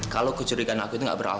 kalau kecurigaan aku itu gak beralasan